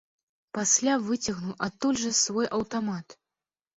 Пасля выцягнуў адтуль жа свой аўтамат.